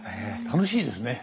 楽しいですね。